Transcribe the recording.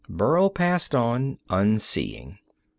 Burl passed on, unseeing.